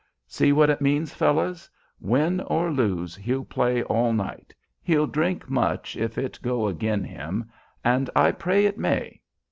See what it means, fellows. Win or lose, he'll play all night, he'll drink much if it go agin' him, and I pray it may.